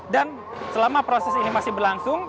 dan selama proses ini masih berlangsung